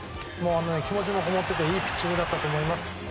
気持ちもこもっていていいピッチングだったと思います。